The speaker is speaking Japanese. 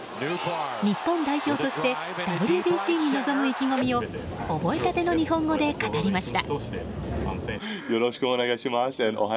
日本代表としてＷＢＣに臨む意気込みを覚えたての日本語で語りました。